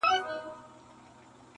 • د سړي په دې وینا قاضي حیران سو..